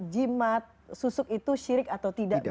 jimat susuk itu syirik atau tidak